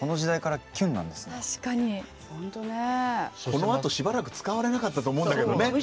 このあとしばらく使われなかったと思うんだけどね。